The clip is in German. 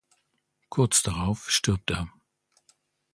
Kurz darauf stirbt er.